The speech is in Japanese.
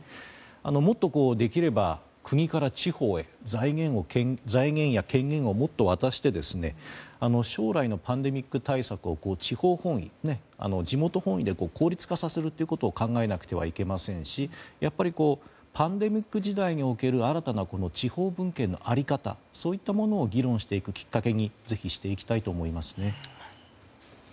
もっと、できれば国から地方へ財源や権限をもっと渡して将来のパンデミック対策を地方本位、地元本位で効率化させるということを考えなくてはいけませんしパンデミック時代における新たな地方分権の在り方そういったものを議論していくきっかけにぜひしていきたいと思います。